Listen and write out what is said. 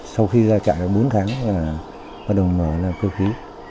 sau khi ra trại được bốn tháng là bắt đầu mở làm cơ khí